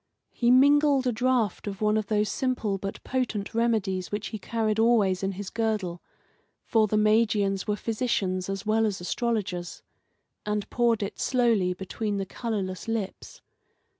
He mingled a draught of one of those simple but potent remedies which he carried always in his girdle for the Magians were physicians as well as astrologers and poured it slowly between the colourless lips.